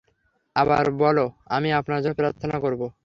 আবার বলো আমি আপনার জন্য প্রার্থনা করবো।